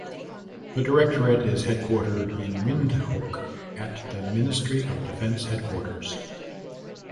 The Directorate is headquartered in Windhoek at the Ministry of Defence Headquarters.